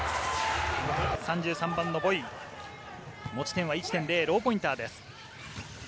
３３番のボイ、持ち点は１．０、ローポインターです。